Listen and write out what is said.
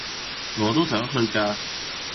我都想去㗎